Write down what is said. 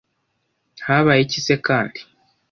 Habaye iki se kandi